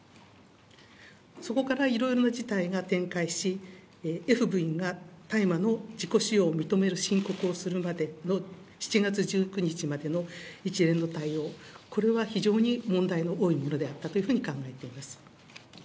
そこからいろいろな事態が展開し、Ｆ部員が大麻の自己使用を認める申告をするまでの７月１９日までの一連の対応、これは非常に問題の多いものであったというふうに考えております。